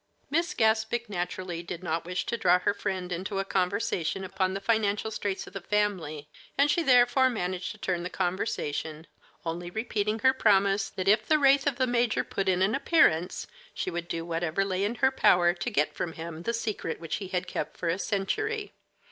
Miss Gaspic naturally did not wish to draw her friend into a conversation upon the financial straits of the family, and she therefore managed to turn the conversation, only repeating her promise that if the wraith of the major put in an appearance, she would do whatever lay in her power to get from him the secret which he had kept for a century.